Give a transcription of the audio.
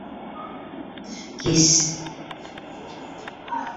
Кис?